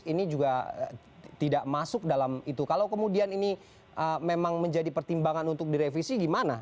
ini juga tidak masuk dalam itu kalau kemudian ini memang menjadi pertimbangan untuk direvisi gimana